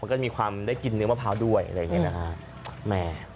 ก็มีความได้กินเนื้อมะพร้าวด้วยอะไรอย่างนี้นะฮะ